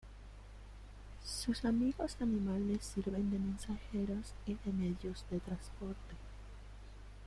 Sus amigos animales sirven de mensajeros y de medios de transporte.